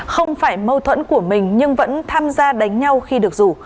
không phải mâu thuẫn của mình nhưng vẫn tham gia đánh nhau khi được rủ